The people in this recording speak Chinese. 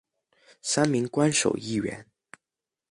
三名官守议员。